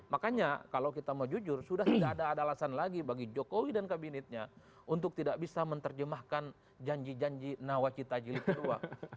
makanya kalau kita mau jujur sudah tidak ada alasan lagi bagi jokowi dan kabinetnya untuk tidak bisa menerjemahkan janji janji nawacita jilid kedua